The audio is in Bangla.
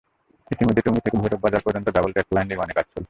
ইতিমধ্যে টঙ্গী থেকে ভৈরববাজার পর্যন্ত ডবল ট্র্যাক লাইন নির্মাণের কাজ চলছে।